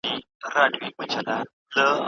هیري کړي مي وعدې وې په پیالو کي د سرو میو